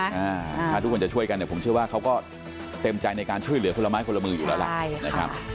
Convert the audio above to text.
ถ้าทุกคนจะช่วยกันเนี่ยผมเชื่อว่าเขาก็เต็มใจในการช่วยเหลือคนละไม้คนละมืออยู่แล้วล่ะนะครับ